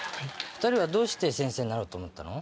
２人はどうして先生になろうと思ったの？